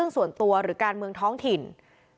เพราะว่าพ่อมีสองอารมณ์ความรู้สึกดีใจที่เจอพ่อแล้ว